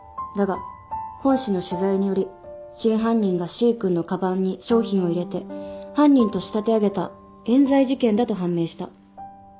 「だが本誌の取材により真犯人がＣ君のカバンに商品を入れて犯人と仕立て上げた冤罪事件だと判明した」